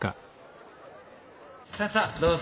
さあさあどうぞ。